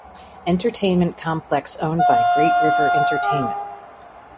Entertainment Complex owned by Great River Entertainment.